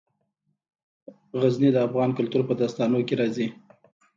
غزني د افغان کلتور په داستانونو کې راځي.